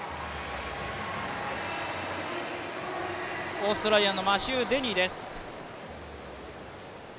オーストラリアのマシュー・デニーです。